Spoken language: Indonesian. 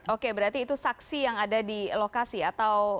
oke berarti itu saksi yang ada di lokasi atau